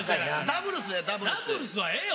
ダブルスはええよ。